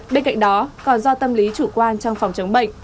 bên cạnh đó còn do tâm lý chủ quan trong phòng chống bệnh